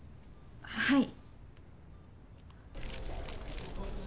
はい。